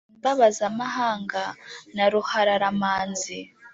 imbabazamahanga na ruhararamanzi